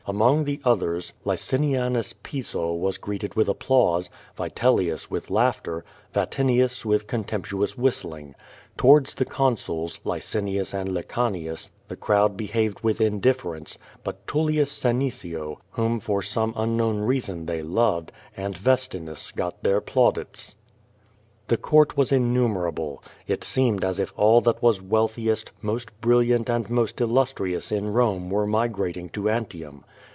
Among the others, Lieinianus Piso was greeted with applause, Vitelius with laughter, Vatinius with contemptuous whistling. To wards the consuls, Licinius and Lecanius, the crowd behaved with indifference, but Tullius Senecio, whom for some un known reason they loved, and Yestinus got their plaudits. The court was innumerable. It seemed as if all that was wealthiest, most brilliant and most illustrious in Rome were migrating to Antium.